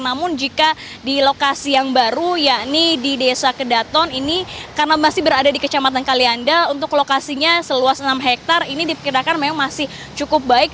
namun jika di lokasi yang baru yakni di desa kedaton ini karena masih berada di kecamatan kalianda untuk lokasinya seluas enam hektare ini diperkirakan memang masih cukup baik